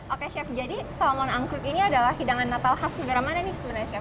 oke chef jadi salmon angkruk ini adalah hidangan natal khas negara mana nih sebenarnya chef